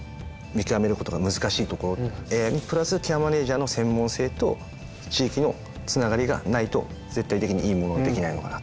ＡＩにプラスケアマネージャーの専門性と地域のつながりがないと絶対的にいいものはできないのかなと。